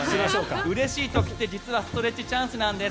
うれしい時って実はストレッチチャンスなんです。